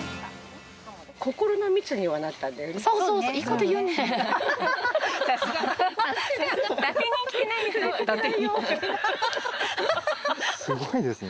心の密にはなったんだよね。